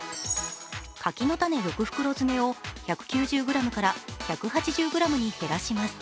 柿の種６袋詰を１９０ｇから１８０ｇに減らします。